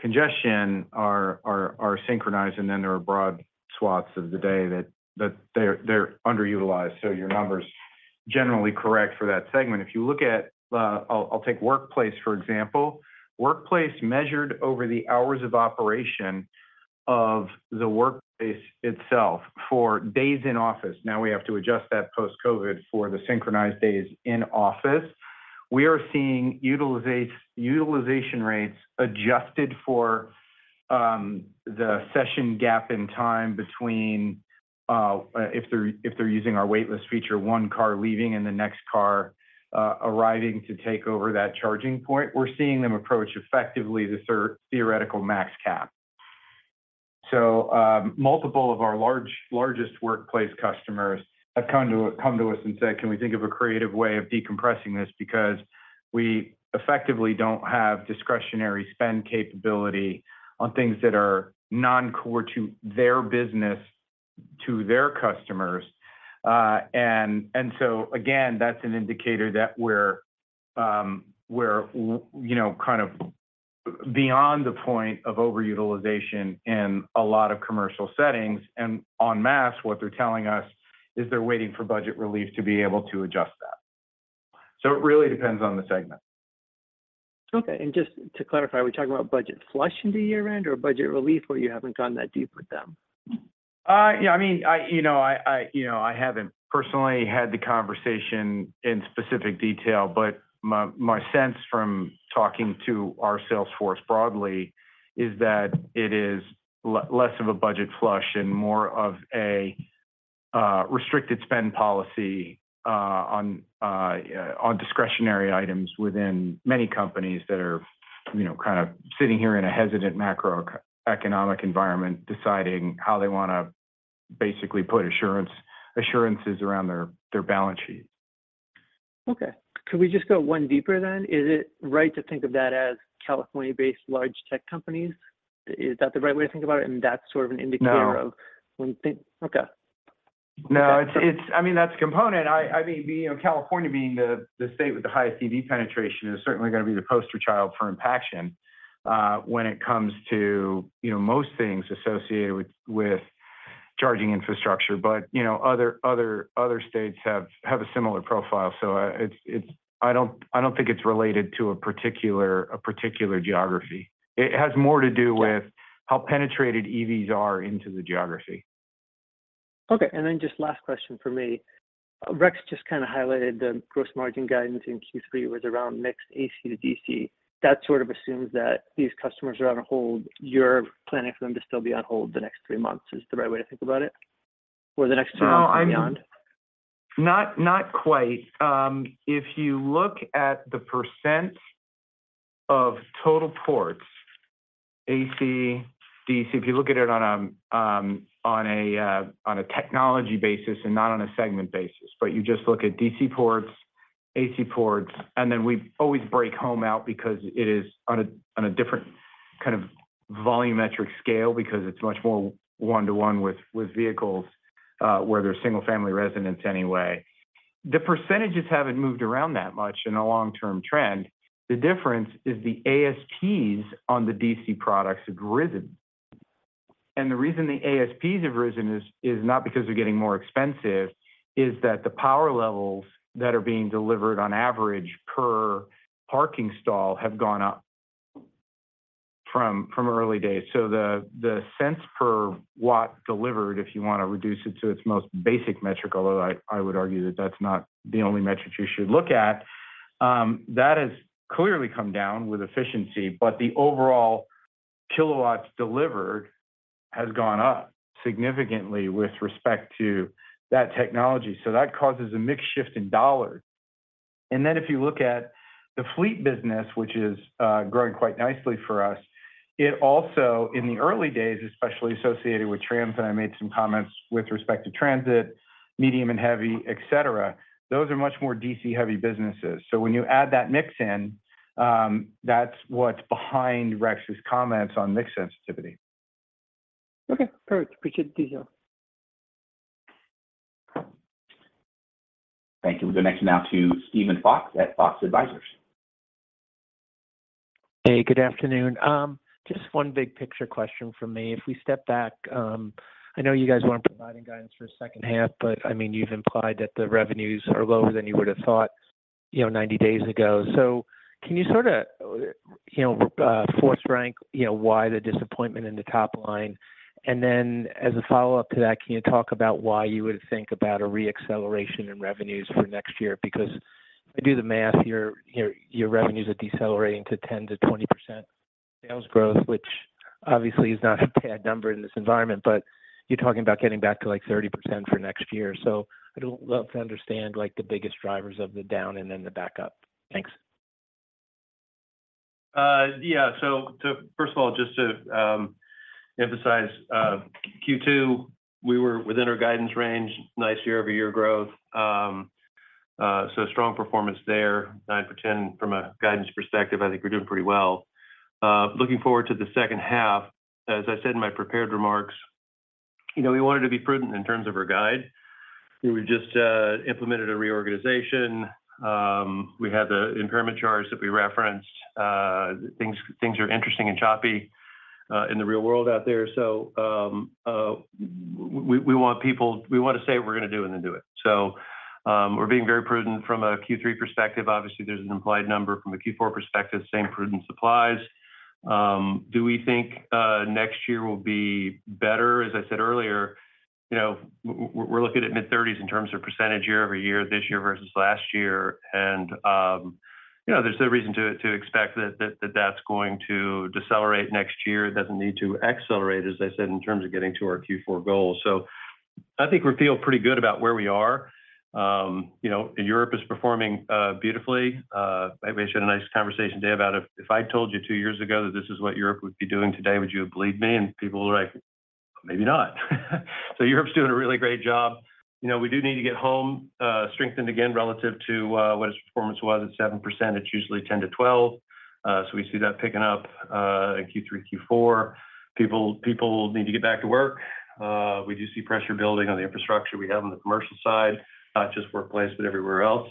congestion are synchronized, and then there are broad swaths of the day that they're underutilized. So, your number's generally correct for that segment. If you look at, I'll take workplace, for example. Workplace measured over the hours of operation of the workplace itself for days in office. Now, we have to adjust that post-COVID for the synchronized days in office. We are seeing utilization rates adjusted for the session gap in time between-... if they're, if they're using our Waitlist feature, one car leaving and the next car arriving to take over that charging point, we're seeing them approach effectively the theoretical max cap. So, multiple of our largest workplace customers have come to, come to us and said, "Can we think of a creative way of decompressing this? Because we effectively don't have discretionary spend capability on things that are non-core to their business, to their customers." And so again, that's an indicator that we're, we're, you know, kind of beyond the point of overutilization in a lot of commercial settings. And en masse, what they're telling us is they're waiting for budget relief to be able to adjust that. So it really depends on the segment. Okay, and just to clarify, are we talking about budget flush into year-end or budget relief, or you haven't gone that deep with them? Yeah, I mean, you know, I haven't personally had the conversation in specific detail, but my sense from talking to our sales force broadly is that it is less of a budget flush and more of a restricted spend policy on discretionary items within many companies that are, you know, kind of sitting here in a hesitant macroeconomic environment, deciding how they want to basically put assurances around their balance sheet. Okay. Could we just go one deeper then? Is it right to think of that as California-based large tech companies? Is that the right way to think about it, and that's sort of an indicator of- No. When you think... Okay. No, it's—I mean, that's a component. I mean, you know, California being the state with the highest EV penetration is certainly gonna be the poster child for implementation when it comes to, you know, most things associated with charging infrastructure. But, you know, other states have a similar profile. So, it's—I don't think it's related to a particular geography. It has more to do with— Yeah... how penetrated EVs are into the geography. Okay, and then just last question from me. Rex just kind of highlighted the gross margin guidance in Q3 was around mix AC to DC. That sort of assumes that these customers are on hold. You're planning for them to still be on hold the next three months, is the right way to think about it, or the next two months and beyond? No, not quite. If you look at the percent of total ports, AC, DC, if you look at it on a technology basis and not on a segment basis, but you just look at DC ports, AC ports, and then we always break home out because it is on a different kind of volumetric scale, because it's much more one-to-one with vehicles where there's single-family residence anyway. The percentages haven't moved around that much in a long-term trend. The difference is the ASPs on the DC products have risen. And the reason the ASPs have risen is not because they're getting more expensive; it is that the power levels that are being delivered on average per parking stall have gone up from early days. So the cents per watt delivered, if you want to reduce it to its most basic metric, although I would argue that that's not the only metric you should look at, that has clearly come down with efficiency, but the overall kilowatts delivered has gone up significantly with respect to that technology. So that causes a mix shift in dollars. And then if you look at the fleet business, which is growing quite nicely for us, it also... In the early days, especially associated with trams, and I made some comments with respect to transit, medium and heavy, etcetera, those are much more DC-heavy businesses. So when you add that mix in, that's what's behind Rex's comments on mix sensitivity. Okay, perfect. Appreciate the detail. Thank you. We'll go next now to Steven Fox at Fox Advisors. Hey, good afternoon. Just one big picture question from me. If we step back, I know you guys weren't providing guidance for the second half, but I mean, you've implied that the revenues are lower than you would have thought, you know, 90 days ago. So can you sort of, you know, force rank, you know, why the disappointment in the top line? And then as a follow-up to that, can you talk about why you would think about a re-acceleration in revenues for next year? Because I do the math, your revenues are decelerating to 10%-20% sales growth, which obviously is not a bad number in this environment, but you're talking about getting back to, like, 30% for next year. So I'd love to understand, like, the biggest drivers of the down and then the back up. Thanks. Yeah. So first of all, just to emphasize, Q2, we were within our guidance range, nice year-over-year growth. So strong performance there. 9% from a guidance perspective, I think we're doing pretty well. Looking forward to the second half, as I said in my prepared remarks, you know, we wanted to be prudent in terms of our guide. We were just implemented a reorganization. We had the impairment charge that we referenced. Things, things are interesting and choppy in the real world out there. So we, we want people-- we want to say what we're gonna do and then do it. So we're being very prudent from a Q3 perspective. Obviously, there's an implied number from a Q4 perspective, same prudence applies. Do we think next year will be better? As I said earlier, you know, we're looking at mid-30s% year-over-year, this year versus last year. And, you know, there's no reason to expect that that's going to decelerate next year. It doesn't need to accelerate, as I said, in terms of getting to our Q4 goals. So, I think we feel pretty good about where we are. You know, and Europe is performing beautifully. I actually had a nice conversation today about if I told you two years ago that this is what Europe would be doing today, would you have believed me? And people were like, "Maybe not." So Europe's doing a really great job. You know, we do need to get home strengthened again relative to what its performance was at 7%. It's usually 10%-12%. So we see that picking up in Q3, Q4. People need to get back to work. We do see pressure building on the infrastructure we have on the commercial side, just workplace, but everywhere else.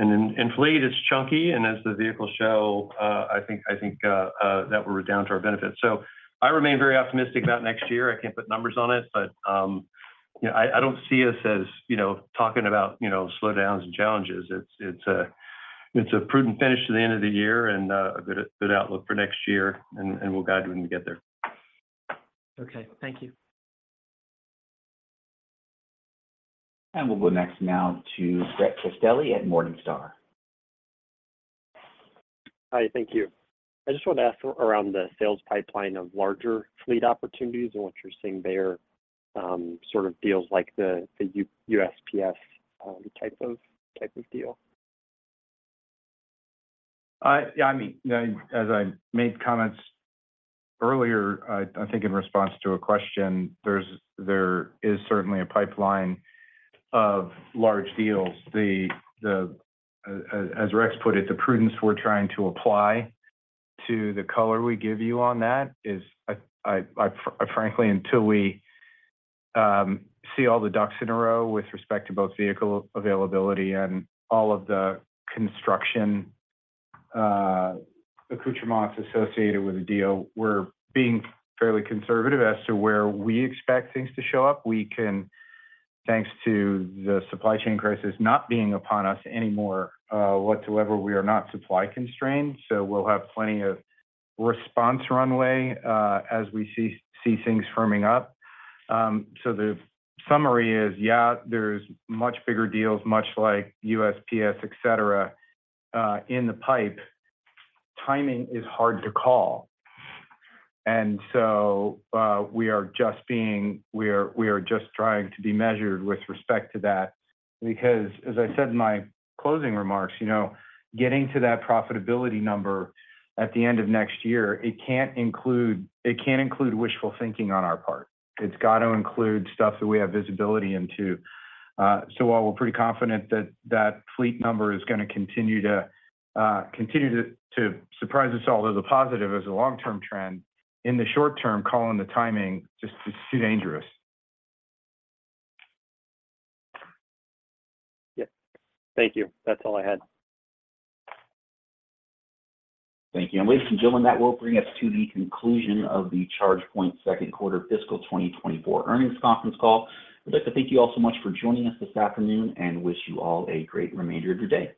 And in fleet, it's chunky, and as the vehicles show, I think that we're down to our benefit. So I remain very optimistic about next year. I can't put numbers on it, but you know, I don't see us as you know, talking about you know, slowdowns and challenges. It's a prudent finish to the end of the year and a good outlook for next year, and we'll guide you when we get there. Okay, thank you. We'll go next now to Brett Castelli at Morningstar. Hi, thank you. I just want to ask around the sales pipeline of larger fleet opportunities and what you're seeing there, sort of deals like the USPS type of deal? Yeah, I mean, yeah, as I made comments earlier, I think in response to a question, there is certainly a pipeline of large deals. The, as Rex put it, the prudence we're trying to apply to the color we give you on that is, I frankly, until we see all the ducks in a row with respect to both vehicle availability and all of the construction accoutrements associated with the deal, we're being fairly conservative as to where we expect things to show up. We can, thanks to the supply chain crisis not being upon us anymore, whatsoever, we are not supply constrained, so we'll have plenty of response runway as we see things firming up. So the summary is, yeah, there's much bigger deals, much like USPS, et cetera, in the pipe. Timing is hard to call, and so we are just trying to be measured with respect to that. Because as I said in my closing remarks, you know, getting to that profitability number at the end of next year, it can't include wishful thinking on our part. It's got to include stuff that we have visibility into. So while we're pretty confident that that fleet number is gonna continue to surprise us all as a positive, as a long-term trend, in the short term, calling the timing just is too dangerous. Yeah. Thank you. That's all I had. Thank you. Ladies and gentlemen, that will bring us to the conclusion of the ChargePoint Second Quarter Fiscal 2024 Earnings Conference Call. I'd like to thank you all so much for joining us this afternoon and wish you all a great remainder of your day.